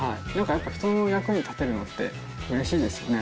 やっぱ人の役に立てるのってうれしいですよね。